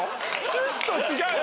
趣旨と違う！